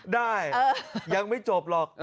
ได้ยังไม่จบหรอก